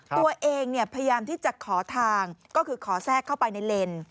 พยายามที่จะขอทางก็คือขอแทรกเข้าไปในเลน